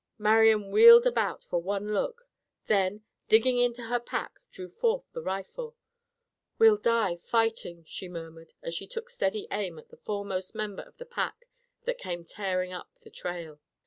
Marian wheeled about for one look; then, digging into her pack, drew forth her rifle. "We'll die fighting!" she murmured as she took steady aim at the foremost member of the pack that came tearing up the trail.